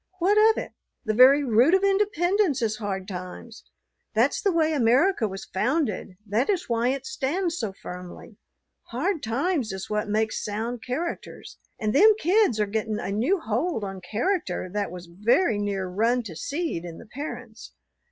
What of it? The very root of independence is hard times. That's the way America was founded; that is why it stands so firmly. Hard times is what makes sound characters. And them kids are getting a new hold on character that was very near run to seed in the parents.